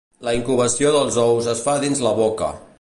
La incubació dels ous es fa dins la boca.